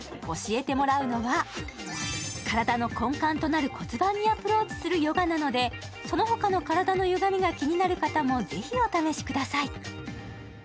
教えてもらうのが、体の根幹となる骨盤にアプローチするヨガなのでその他の体のゆがみが気になる方もぜひお試しください。